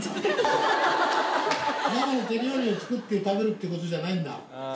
ママの手料理を作って食べるっていうことじゃないんだ。